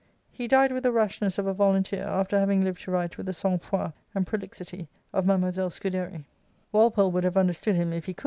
" He died with the rashness of a volunteer, after having lived to write with the sang froid and pro lixity of Mademoiselle ScuderL" Walpole would have understood him if he could ; but • See ante^ p.